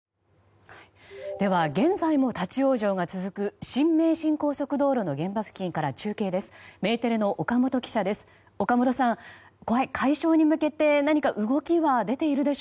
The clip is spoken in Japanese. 現在も立ち往生が続く新名神高速道路の現場付近から中継です。